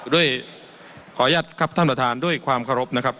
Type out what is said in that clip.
ด้วยขออนุญาตครับท่านประธานด้วยความเคารพนะครับ